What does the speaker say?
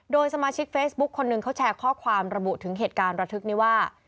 โดยสมาชิกเฟซบุ๊คคนหนึ่งเขาแชร์ข้อความระบุถึงเหตุการณ์ระทึกนี้ว่า